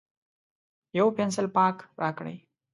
یو پینسیلپاک راکړئ